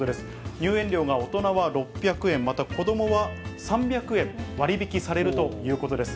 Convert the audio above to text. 入園料が大人は６００円、また、子どもは３００円割引されるということです。